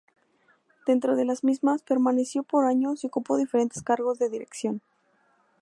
Dentro de las mismas, permaneció por años y ocupó diferentes cargos de dirección.